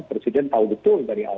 presiden tahu betul dari awal